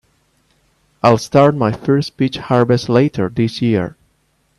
I'll start my first peach harvest later this year.